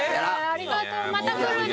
ありがとうまた来るね。